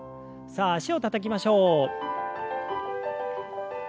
さあ脚をたたきましょう。